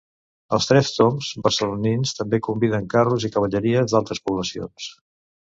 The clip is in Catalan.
Els Tres Tombs barcelonins també conviden carros i cavalleries d'altres poblacions.